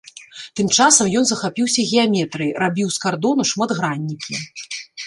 Тым часам ён захапіўся геаметрыяй, рабіў з кардону шматграннікі.